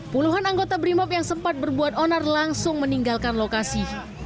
puluhan anggota brimob yang sempat berbuat onar langsung meninggalkan lokasi